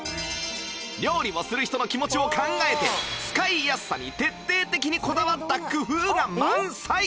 料理をする人の気持ちを考えて使いやすさに徹底的にこだわった工夫が満載